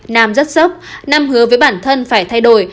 nam rất sốc nam hứa với bản thân phải thay đổi